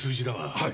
はい！